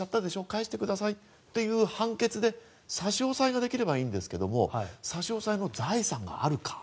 返してくださいっていう判決で差し押さえができればいいんですけど差し押さえの財産があるか。